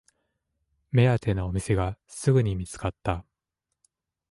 目当てのお店がすぐに見つかった